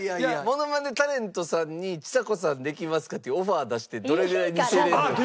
モノマネタレントさんにちさ子さんできますか？っていうオファー出してどれぐらい似せれるのか。